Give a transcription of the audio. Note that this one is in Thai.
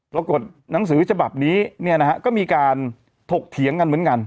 ปรากฏหนังสือฉบับนี้เนี่ยนะฮะก็มีการถกเถียงกันเหมือนกัน